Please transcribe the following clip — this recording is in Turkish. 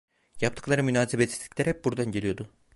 Yaptıkları münasebetsizlikler hep buradan geliyordu.